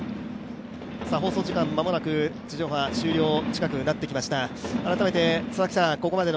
放送時間、まもなく地上波、終了が近くなってきています。